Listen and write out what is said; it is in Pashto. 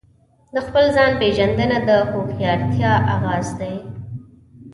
د خپل ځان پیژندنه د هوښیارتیا آغاز دی.